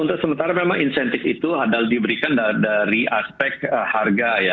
untuk sementara memang insentif itu adalah diberikan dari aspek harga ya